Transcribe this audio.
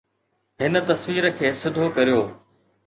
هن تصوير کي سڌو ڪريو